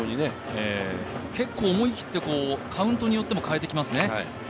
結構思い切ってカウントによっても変えてきますね。